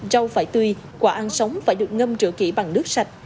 rau phải tươi quả ăn sống phải được ngâm rửa kỹ bằng nước sạch